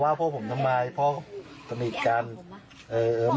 อ๋อว่าพ่อผมทำไมพ่อเหมียกกับผม